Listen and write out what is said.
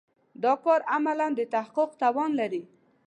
دا کار عملاً د تحقق توان لري.